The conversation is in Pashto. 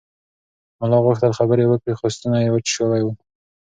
ملا غوښتل خبرې وکړي خو ستونی یې وچ شوی و.